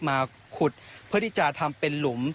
มาขุดเพื่อที่จะทำเป็นหลุม